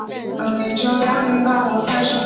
暂时在美洲闪鳞蛇下未有其它亚种。